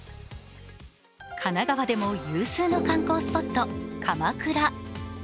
神奈川でも有数の観光スポット、鎌倉。